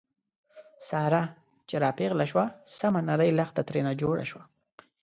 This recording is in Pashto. ساره چې را پېغله شوه، سمه نرۍ لښته ترېنه جوړه شوه.